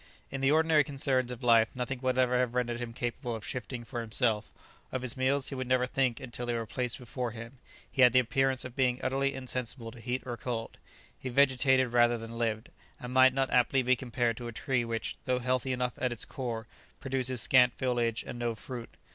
In the ordinary concerns of life nothing would ever have rendered him capable of shifting for himself; of his meals he would never think until they were placed before him; he had the appearance of being utterly insensible to heat or cold; he vegetated rather than lived, and might not inaptly be compared to a tree which, though healthy enough at its core, produces scant foliage and no fruit.